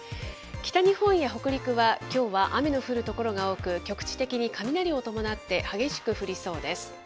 北日本や北陸は、きょうは雨の降る所が多く、局地的に雷を伴って激しく降りそうです。